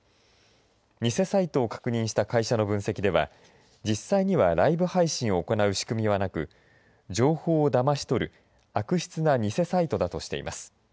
偽サイトを確認した会社の分析では実際にはライブ配信を行う仕組みはなく情報をだまし取る悪質な偽サイトだとしています。